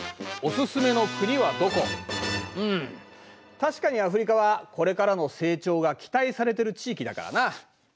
確かにアフリカはこれからの成長が期待されてる地域だからな。